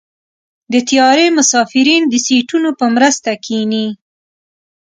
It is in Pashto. د طیارې مسافرین د سیټونو په مرسته کېني.